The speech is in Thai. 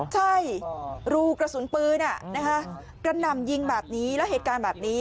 ใช่รูกระสุนปืนกระหน่ำยิงแบบนี้แล้วเหตุการณ์แบบนี้